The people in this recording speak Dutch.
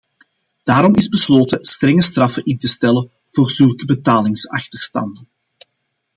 Daarom is besloten strenge straffen in te stellen voor zulke betalingsachterstanden.